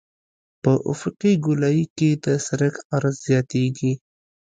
په افقي ګولایي کې د سرک عرض زیاتیږي